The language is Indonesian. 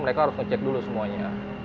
mereka harus ngecek dulu semuanya